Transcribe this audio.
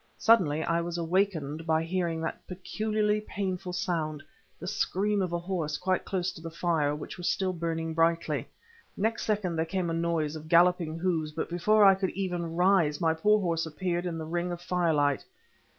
Suddenly I was awakened by hearing that peculiarly painful sound, the scream of a horse, quite close to the fire, which was still burning brightly. Next second there came a noise of galloping hoofs, and before I could even rise my poor horse appeared in the ring of firelight.